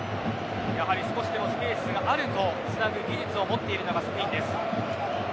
少しでもスペースがあるとつなぐ技術を持っているのがスペイン。